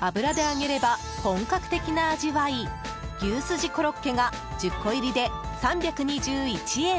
油で揚げれば本格的な味わい牛すじコロッケが１０個入りで３２１円。